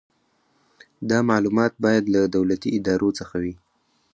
دا معلومات باید له دولتي ادارو څخه وي.